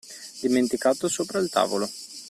Dimenticato sopra il tavolo.